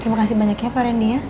terima kasih banyaknya pak rendy ya